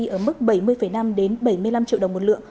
ở mức bảy mươi năm bảy mươi năm triệu đồng một lượng